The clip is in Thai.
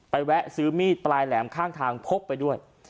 ไปแวะซื้อมีดฝ่ายแหลมข้างทางค่อยไปด้วย